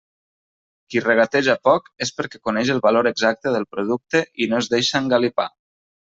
Qui regateja poc és perquè coneix el valor exacte del producte i no es deixa engalipar.